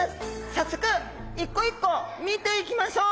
早速一個一個見ていきましょう。